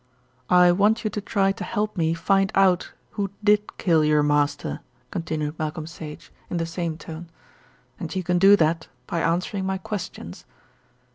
"I want you to try to help me find out who did kill your master," continued Malcolm Sage, in the same tone, "and you can do that by answering my questions."